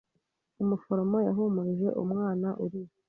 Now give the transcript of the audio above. Umuforomo yahumurije umwana urira.